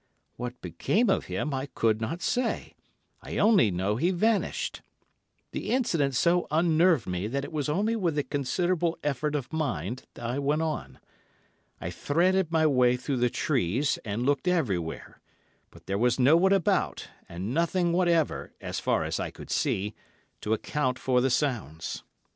What became of him I could not say, I only know he vanished. The incident so unnerved me that it was only with a considerable effort of mind I went on. I threaded my way through the trees, and looked everywhere, but there was no one about and nothing whatever, as far as I could see, to account for the sounds.